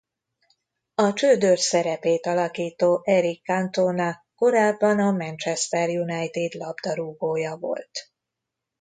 A Csődör szerepét alakító Éric Cantona korábban a Manchester United labdarúgója volt.